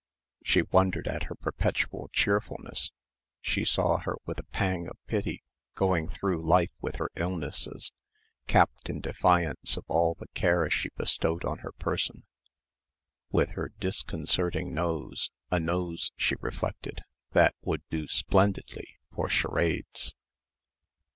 She wondered at her perpetual cheerfulness. She saw her with a pang of pity, going through life with her illnesses, capped in defiance of all the care she bestowed on her person, with her disconcerting nose, a nose she reflected, that would do splendidly for charades.